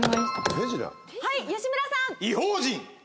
はい吉村さん。